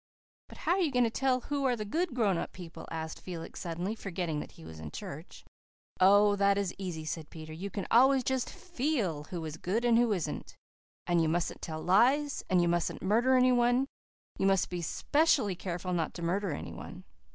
"But how are you going to tell who are the good grown up people?" asked Felix suddenly, forgetting that he was in church. "Oh, that is easy," said Peter. "You can always just FEEL who is good and who isn't. And you mustn't tell lies and you mustn't murder any one. You must be specially careful not to murder any one.